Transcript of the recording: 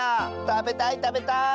たべたいたべたい！